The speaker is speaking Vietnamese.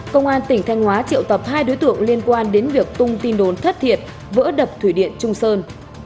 công an tỉnh thanh hóa triệu tập hai đối tượng liên quan đến việc tung tin đồn thất thiệt vỡ đập thủy điện trung sơn